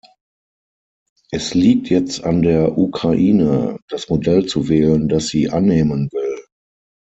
Es liegt jetzt an der Ukraine, das Modell zu wählen, das sie annehmen will.